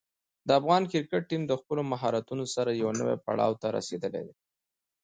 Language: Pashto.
د افغان کرکټ ټیم د خپلو مهارتونو سره یوه نوې پړاو ته رسېدلی دی.